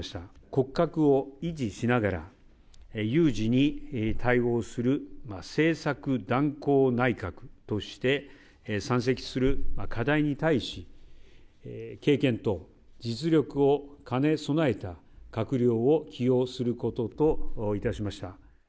骨格を維持しながら、有事に対応する、政策断行内閣として、山積する課題に対し、経験と実力を兼ね備えた閣僚を起用することといたしました。